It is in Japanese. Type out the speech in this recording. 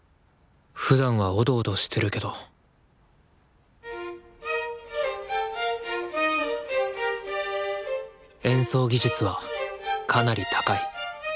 ふだんはおどおどしてるけど演奏技術はかなり高い。